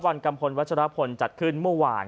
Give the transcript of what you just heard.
กัมพลวัชรพลจัดขึ้นเมื่อวาน